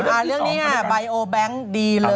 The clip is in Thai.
ตำรวจหญิงที่ถูกบอกใช่ไหม